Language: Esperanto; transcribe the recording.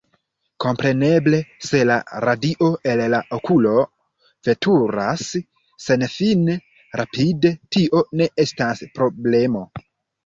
Kompreneble se la radio el la okulo veturas senfine rapide tio ne estas problemo.